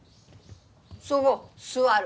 そご座る。